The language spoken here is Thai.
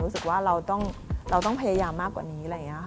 รู้สึกว่าเราต้องพยายามมากกว่านี้อะไรอย่างนี้ค่ะ